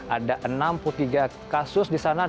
ada enam puluh tiga kasus di sana